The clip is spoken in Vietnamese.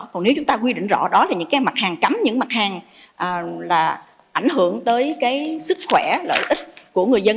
còn nếu chúng ta quy định rõ đó là những cái mặt hàng cấm những mặt hàng là ảnh hưởng tới cái sức khỏe lợi ích của người dân